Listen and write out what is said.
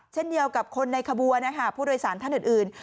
เช่นเดียวกับคนในขบวนผู้โดยสารท่านอื่น